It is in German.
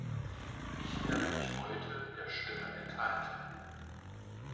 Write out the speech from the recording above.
Ich werde mich heute der Stimme enthalten.